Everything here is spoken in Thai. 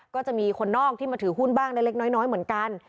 ก็จะมีคนนอกที่มาถือหุ้นบ้างเล็กน้อยเหมือนกัน